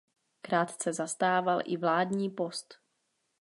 Krátce zastával i vládní post.